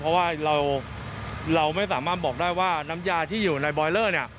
เพราะว่าเราไม่สามารถบอกได้ว่าน้ำยาที่อยู่ในบอยเลอร์เนี่ย